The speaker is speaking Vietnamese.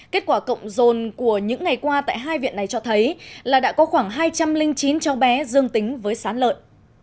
kết quả cộng rồn của những ngày qua tại hai viện này cho thấy là đã có khoảng hai trăm linh chín cháu bé dương tính với sán lợn